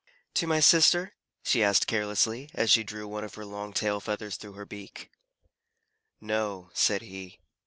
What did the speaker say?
"To my sister?" she asked carelessly, as she drew one of her long tail feathers through her beak. "No," said he.